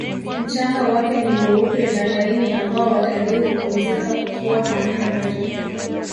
mchanga wake ni mweupe na laini ambao watalii humpumzika kukiwa hamna maji